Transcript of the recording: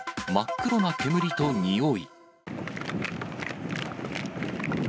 真っ黒な煙とにおい。